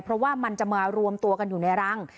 เพราะว่ามันจะมารวมตัวกันอยู่ในรัง